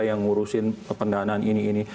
yang ngurusin pendanaan ini ini